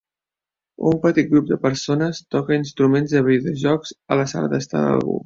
Un petit grup de persones toca instruments de videojocs a la sala d'estar d'algú.